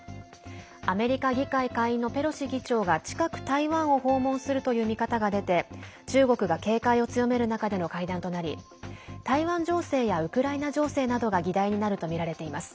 アメリカ議会下院のペロシ議長が近く台湾を訪問するという見方が出て中国が警戒を強める中での会談となり台湾情勢やウクライナ情勢などが議題になるとみられています。